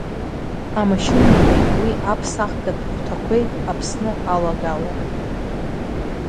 Амашьынақәеи уи аԥсахгатә хәҭақәеи Аԥсны алагалара…